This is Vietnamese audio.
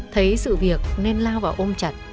thấy sự việc nên lao vào ôm chặt